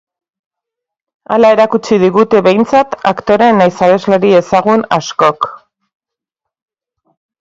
Hala erakutsi digute behintzat aktore nahiz abeslari ezagun askok.